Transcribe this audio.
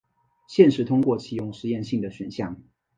现时通过启用实验性的选项。